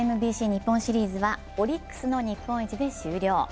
ＳＭＢＣ日本シリーズはオリックスの日本一で終了。